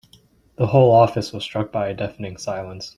The whole office was struck by a deafening silence.